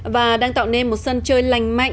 và đang tạo nên một sân chơi lành mạnh